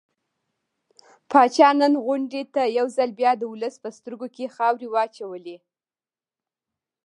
پاچا نن غونډې ته يو ځل بيا د ولس په سترګو کې خاورې واچولې.